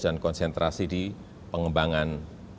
dan konsentrasi di pengembangan